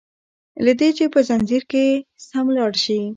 له دي چي په ځنځير کي سم لاړ شي